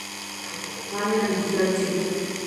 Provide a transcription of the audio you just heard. Fanning asistió al St.